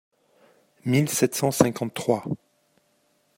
mille sept cent cinquante-trois).